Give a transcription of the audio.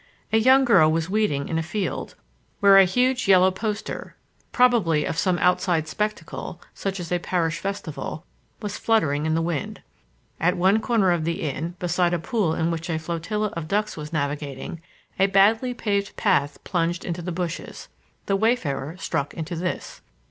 A young girl was weeding in a field, where a huge yellow poster, probably of some outside spectacle, such as a parish festival, was fluttering in the wind. At one corner of the inn, beside a pool in which a flotilla of ducks was navigating, a badly paved path plunged into the bushes. The wayfarer struck into this.